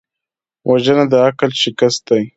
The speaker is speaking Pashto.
وژنه د عقل شکست دی